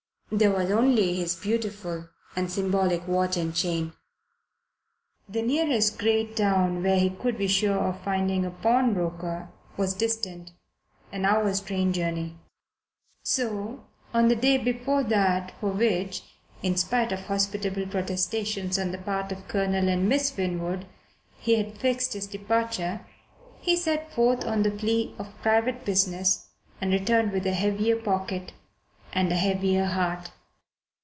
There was only his beautiful and symbolic watch and chain. The nearest great town where he could be sure of finding a pawnbroker was distant an hour's train journey. So on the day before that for which, in spite of hospitable protestations on the part of Colonel and Miss Winwood, he had fixed his departure, he set forth on the plea of private business, and returned with a heavier pocket and a heavier heart.